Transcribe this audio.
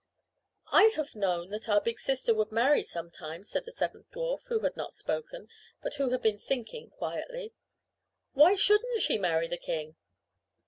"I have known that our big sister would marry sometime," said the seventh dwarf who had not spoken, but who had been thinking quietly. "Why shouldn't she marry the king?"